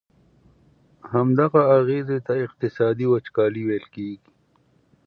همدغه اغیزي ته اقتصادي وچکالي ویل کیږي.